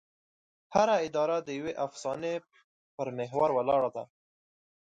هره اداره د یوې افسانې پر محور ولاړه ده.